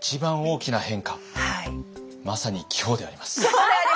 まさに今日であります。